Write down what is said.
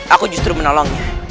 aku justru menolongnya